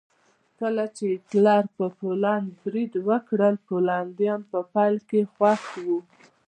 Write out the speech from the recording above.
کله چې هېټلر په پولنډ برید وکړ پولنډیان په پیل کې خوښ وو